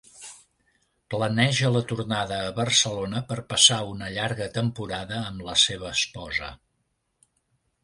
Planeja la tornada a Barcelona per passar una llarga temporada amb la seva esposa.